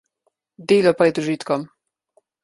Delo pred užitkom.